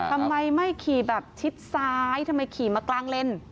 ทำไมไม่ขี่แบบชิดซ้ายทำไมขี่มากลางเลน